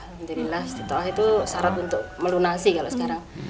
alhamdulillah setelah itu syarat untuk melunasi kalau sekarang